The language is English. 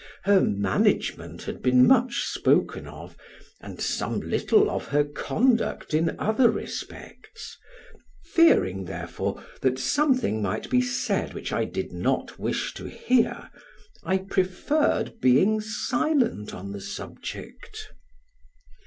Her management had been much spoken of, and some little of her conduct in other respects; fearing, therefore, that something might be said which I did not wish to hear, I preferred being silent on the subject.